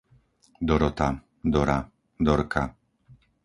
Dorota, Dora, Dorka